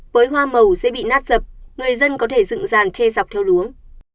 với hoa màu sẽ bị nát dập người dân có thể dựng ràn che dọc theo luống